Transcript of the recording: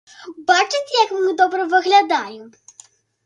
Бачыце, як мы добра выглядаем?